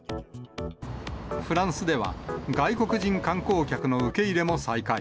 フランスでは、外国人観光客の受け入れも再開。